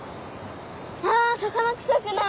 あ魚くさくない！